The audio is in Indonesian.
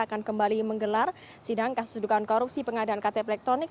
akan kembali menggelar sidang kasus dugaan korupsi pengadaan ktp elektronik